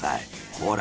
ほら